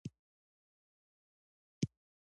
زردالو د فطرت رنګ لري.